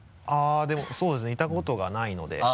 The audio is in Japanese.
あっでもそうですねいたことがないので。